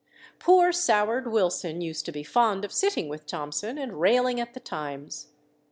Poor soured Wilson used to be fond of sitting with Thomson and railing at the times.